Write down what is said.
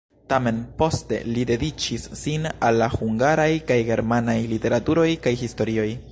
Tamen poste li dediĉis sin al la hungaraj kaj germanaj literaturoj kaj historioj.